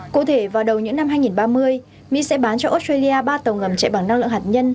cụ thể vào đầu những năm hai nghìn ba mươi mỹ sẽ bán cho australia ba tàu ngầm chạy bằng năng lượng hạt nhân